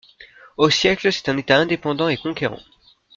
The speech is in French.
Au siècle, c'est un État indépendant et conquérant.